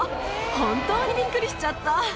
本当にびっくりしちゃった。